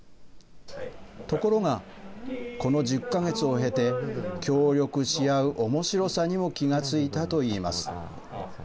ところが、この１０か月を経て、協力し合うおもしろさにも気が付いたといいます。